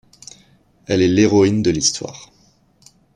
Elle est l'héroïne de l'histoire.